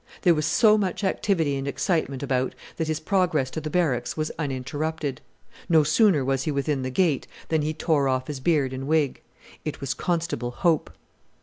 There was so much activity and excitement about that his progress to the Barracks was uninterrupted. No sooner was he within the gate than he tore off his beard and wig. It was Constable Hope.